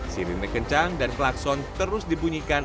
sirine kencang dan klakson terus dibunyikan